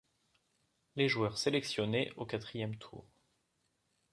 Les joueurs sélectionnés au quatrième tour.